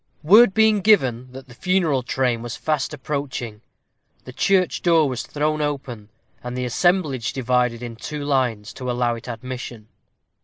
_ Word being given that the funeral train was fast approaching, the church door was thrown open, and the assemblage divided in two lines, to allow it admission.